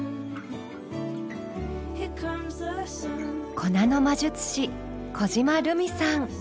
粉の魔術師小嶋ルミさん。